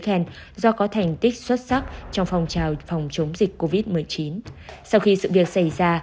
khen do có thành tích xuất sắc trong phong trào phòng chống dịch covid một mươi chín sau khi sự việc xảy ra